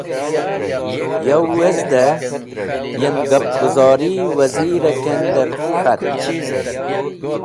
Yow wezde yem gapi guzori Wazir-e kender k̃hat.